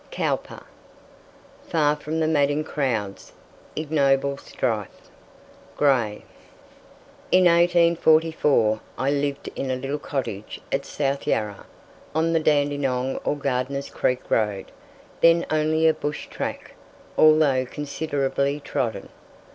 Cowper. "Far from the madding crowd's ignoble strife." Gray. In 1844 I lived in a little cottage at South Yarra, on the Dandenong or Gardiner's Creek road, then only a bush track, although considerably trodden.